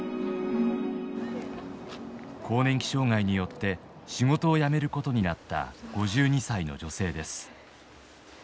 更年期障害によって仕事を辞めることになった５２歳の女性です。